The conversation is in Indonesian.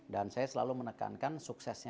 dan saya selalu menekankan suksesnya